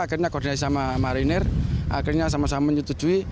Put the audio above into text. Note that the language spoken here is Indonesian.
akhirnya koordinasi sama marinir akhirnya sama sama menyetujui